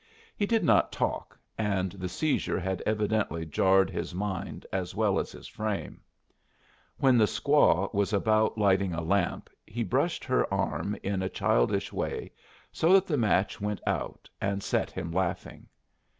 He did not talk, and the seizure had evidently jarred his mind as well as his frame. When the squaw was about lighting a lamp he brushed her arm in a childish way so that the match went out, and set him laughing.